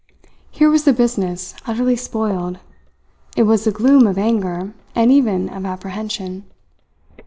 Here was the business utterly spoiled! It was the gloom of anger, and even of apprehension.